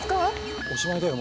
おしまいだよ